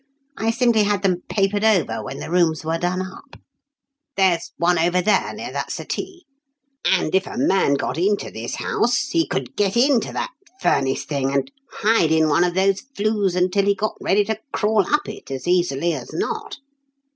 I simply had them papered over when the rooms were done up (there's one over there near that settee), and if a man got into this house, he could get into that furnace thing and hide in one of those flues until he got ready to crawl up it as easily as not.